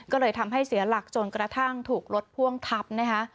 ก็เลยทำให้เสียหลักจนกระทั่งถูกรถพ่วงทับนะคะ